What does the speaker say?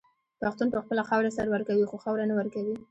پښتون په خپله خاوره سر ورکوي خو خاوره نه ورکوي.